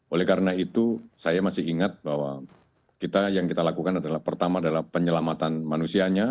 oleh karena itu saya masih ingat bahwa kita yang kita lakukan adalah pertama adalah penyelamatan manusianya